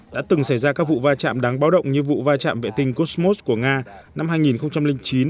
đã từng xảy ra các vụ va chạm đáng báo động như vụ va chạm vệ tinh cosmos của nga năm hai nghìn chín